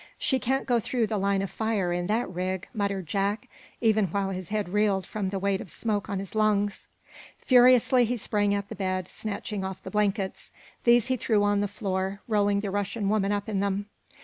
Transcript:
"She can't go through the line of fire in that rig," muttered Jack, even while his head reeled from the weight of smoke on his lungs. Furiously he sprang at the bed, snatching off the blankets. These he threw on the floor, rolling the Russian woman up in them.